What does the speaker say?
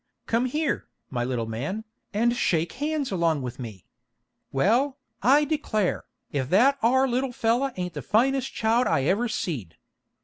Come here, my little man, and shake hands along with me. Well, I declare, if that are little feller ain't the finest child I ever seed.